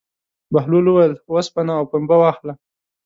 بهلول وویل: اوسپنه او پنبه واخله.